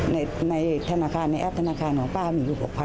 ในในธนาคารในแอปธนาคารของป้ามีอยู่หกพันกว่า